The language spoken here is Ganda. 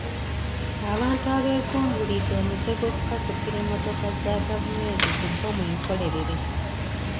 Abantu abeeguumbulidde omuze gw’okukasukira emmotoka za gavumenti zi bbomu enkolerere.